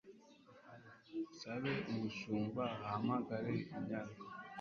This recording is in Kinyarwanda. nsabe umushumba ahamagare inyana